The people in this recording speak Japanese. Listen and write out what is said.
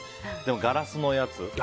ガラスのやつ。